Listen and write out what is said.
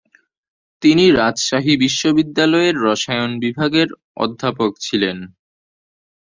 তিনি রাজশাহী বিশ্ববিদ্যালয়ের রসায়ন বিভাগের অধ্যাপক ছিলেন।